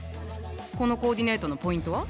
このコーディネートのポイントは？